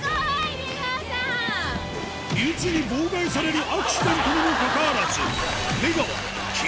身内に妨害されるアクシデントにもかかわらず出川金